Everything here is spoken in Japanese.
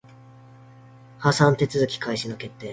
破産手続開始の決定